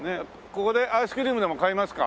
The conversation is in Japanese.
ここでアイスクリームでも買いますか？